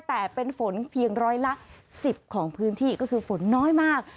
แต่เป็นฝนเพียงร้อยละ๑๐ของพื้นที่ก็คือฝนน้อยมาก